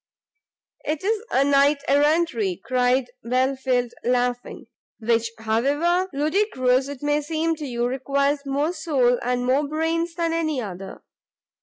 "'Tis a Knight errantry," answered Belfield, laughing, "which, however ludicrous it may seem to you, requires more soul and more brains than any other.